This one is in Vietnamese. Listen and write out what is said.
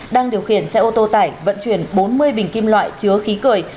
đang điều khiển xe ô tô tải vận chuyển bốn mươi bình kim loại chứa khí cười